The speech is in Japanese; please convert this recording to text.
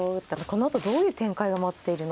このあとどういう展開が待っているのか。